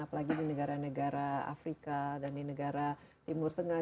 apalagi di negara negara afrika dan di negara timur tengah